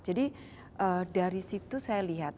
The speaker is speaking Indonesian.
jadi dari situ saya lihat